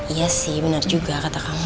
iya sih benar juga kata kamu